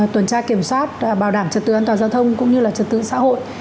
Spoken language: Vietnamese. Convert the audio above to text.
tuần tra kiểm soát bảo đảm trật tự an toàn giao thông cũng như là trật tự xã hội